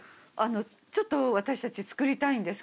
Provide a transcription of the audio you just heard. ちょっと私たち作りたいんですけど。